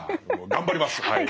頑張りますはい。